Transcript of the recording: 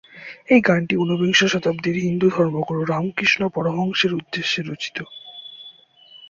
এই গানটি ঊনবিংশ শতাব্দীর হিন্দু ধর্মগুরু রামকৃষ্ণ পরমহংসের উদ্দেশ্যে রচিত।